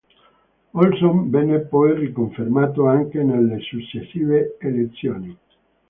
Olson venne poi riconfermato anche nelle successive elezioni.